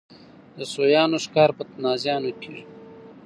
د سویانو ښکار په تازیانو کېږي.